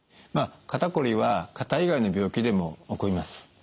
肩こりは肩以外の病気でも起こります。